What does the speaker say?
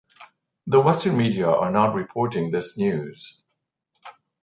The Western media are not reporting this news.